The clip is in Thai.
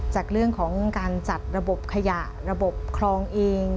จากเรื่องของการจัดระบบขยะระบบคลองเอง